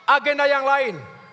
agenda yang lain